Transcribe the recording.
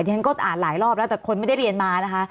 ฉันก็อ่านหลายรอบแล้วแต่คนไม่ได้เรียนมานะคะ